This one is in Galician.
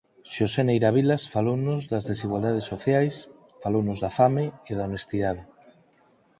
Xosé Neira Vilas falounos das desigualdades sociais; falounos da fame e da honestidade.